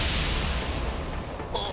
あ。